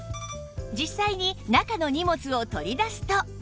実際に中の荷物を取り出すと